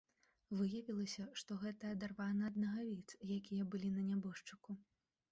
Выявілася, што гэта адарвана ад нагавіц, якія былі на нябожчыку.